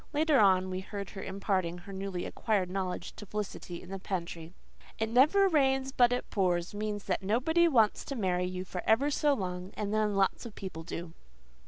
Later on we heard her imparting her newly acquired knowledge to Felicity in the pantry. "'It never rains but it pours' means that nobody wants to marry you for ever so long, and then lots of people do."